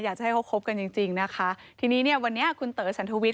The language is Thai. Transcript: อยากจะให้เขาคบกันจริงจริงนะคะทีนี้เนี่ยวันนี้คุณเต๋อสันทวิท